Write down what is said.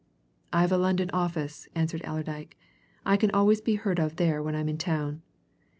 "I've a London office," answered Allerdyke. "I can always be heard of there when I'm in town.